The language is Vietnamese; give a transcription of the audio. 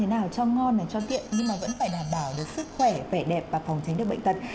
thế nào cho ngon này cho tiện nhưng mà vẫn phải đảm bảo được sức khỏe vẻ đẹp và phòng tránh được bệnh tật